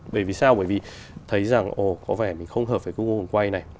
bởi vì sao bởi vì thấy rằng ồ có vẻ mình không hợp với công công còn quay này